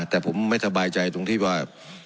แต่ผมไม่สบายใจตรงที่ว่า